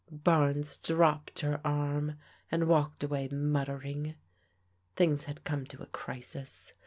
Barnes dropped her arm and walked away muttering. Things had come to a crisis.